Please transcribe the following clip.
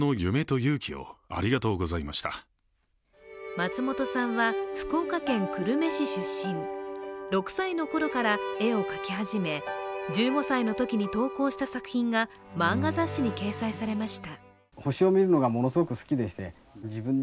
松本さんは、福岡県久留米市出身６歳のころから絵を描き始め１５歳のときに投稿した作品が漫画雑誌に掲載されました。